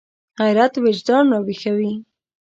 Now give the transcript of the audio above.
غیرت وجدان راویښوي